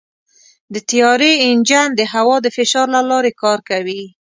د طیارې انجن د هوا د فشار له لارې کار کوي.